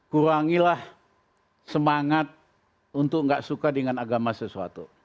kurangilah semangat untuk gak suka dengan agama sesuatu